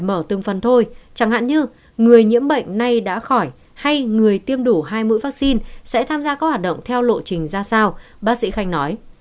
mở từng phần thôi chẳng hạn như người nhiễm bệnh nay đã khỏi hay người tiêm đủ hai mũi vaccine sẽ tham gia các hoạt động theo lộ trình ra sao bác sĩ khanh nói